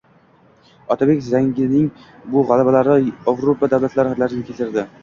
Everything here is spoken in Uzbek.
Otabek Zanggining bu g‘alabalari Ovrupo davlatlarini larzaga keltirdi